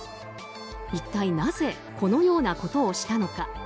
一体なぜこのようなことをしたのか。